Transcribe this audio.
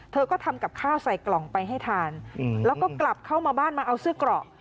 เธอก็ทำกับข้าวใส่กล่องไปให้ทานแล้วก็กลับเข้ามาบ้านมาเอาเสื้อกรอก